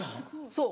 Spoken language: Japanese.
・そう。